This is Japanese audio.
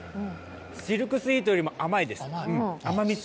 シルクスイートよりも甘いです。